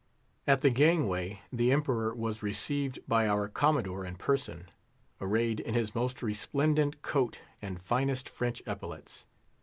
At the gangway, the Emperor was received by our Commodore in person, arrayed in his most resplendent coat and finest French epaulets.